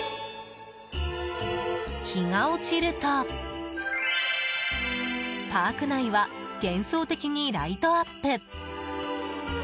日が落ちるとパーク内は幻想的にライトアップ。